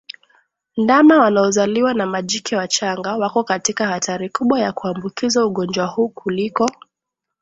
Ndama wanaozaliwa na majike wachanga wako katika hatari kubwa ya kuambukizwa ugonjwa huu kuliko